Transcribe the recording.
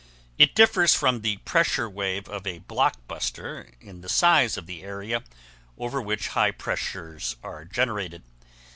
It differs from the pressure wave of a block buster in the size of the area over which high pressures are generated.